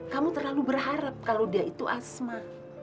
kamu terlalu berharap kalau dia itu asma